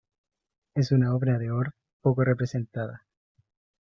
Es una obra de Orff poco representada.